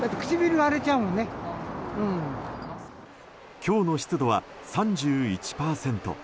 今日の湿度は３１％。